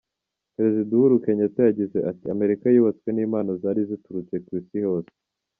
Perezida Uhuru Kenyatta yagize ati “ Amerika yubatswe n’impano zari ziturutse ku Isi hose.